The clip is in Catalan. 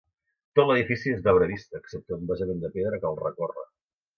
Tot l'edifici és d'obra vista excepte un basament de pedra que el recorre.